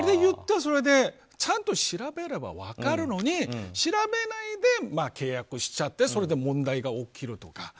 それはちゃんと調べれば分かるのに調べないで契約しちゃってそれで問題が起きるとか